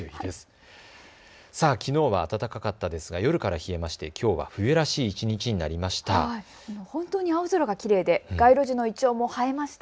きのうは暖かかったですが夜から冷えましてきょうは冬らしい一日になりました。